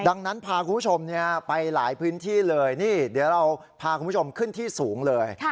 ดังนั้นพาคุณผู้ชมไปหลายพื้นที่เลยนี่เดี๋ยวเราพาคุณผู้ชมขึ้นที่สูงเลย